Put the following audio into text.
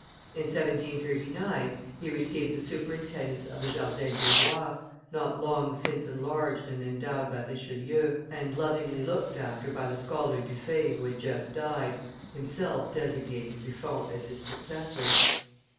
In 1739, he received the superintendence of the Jardin du Roi, not long since enlarged and endowed by Richelieu, and lovingly looked after by the scholar Dufay, who had just died, himself designating Buffon as his successor.